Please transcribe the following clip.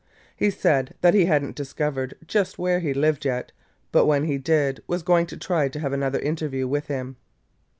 He said that he had n't discovered just where he lived yet, but when he did, was going to try to have another interview with him.